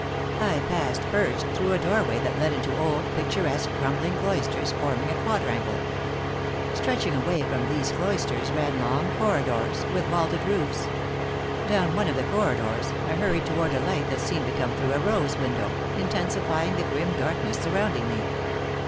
I passed first through a doorway that led into old picturesque, crumbling cloisters, forming a quadrangle. Stretching away from these cloisters ran long corridors with vaulted roofs. Down one of the corridors, I hurried toward a light that seemed to come through a rose window, intensifying the grim darkness surrounding me.